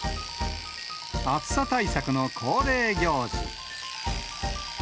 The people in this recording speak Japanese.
暑さ対策の恒例行事。